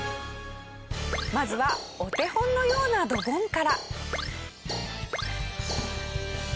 まずはお手本のようなドボンから。